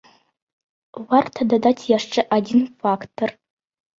Варта дадаць яшчэ адзін фактар.